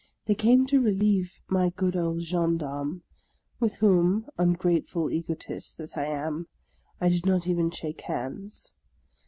They came to relieve my good old gendarme, with whom, un grateful egotist that I am, I did not even shake hands.